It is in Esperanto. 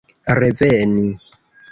reveni